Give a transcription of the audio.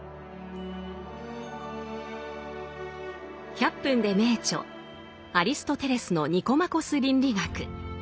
「１００分ｄｅ名著」アリストテレスの「ニコマコス倫理学」。